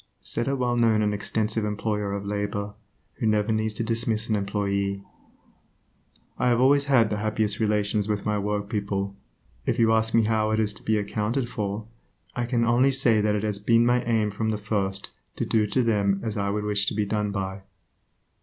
Said a well known and extensive employer of labor, who never needs to dismiss an employee: "I have always had the happiest relations with my workpeople. If you ask me how it is to be accounted for, I can only say that it has been my aim from the first to do to them as I would wish to be done by."